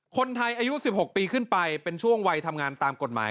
คนไทยอายุ๑๖ปีขึ้นไปเป็นช่วงวัยทำงานตามกฎหมาย